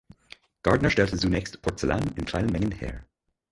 Gardner stellte zunächst Porzellan in kleinen Mengen her.